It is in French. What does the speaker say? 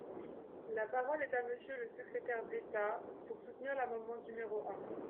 La parole est à Monsieur le secrétaire d’État, pour soutenir l’amendement numéro un.